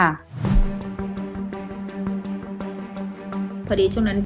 มีโต๊ปวางให้เที่ยงเป็นเป้นเรือเยอร์